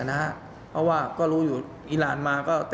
เต็ม๑